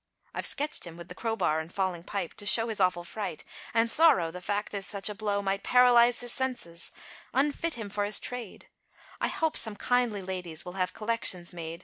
I've sketched him, with the crowbar, and falling pipe, to show His awful fright, and sorrow, the fact is, such a blow Might paralize his senses, unfit him for his trade I hope some kindly ladies, will have collections made.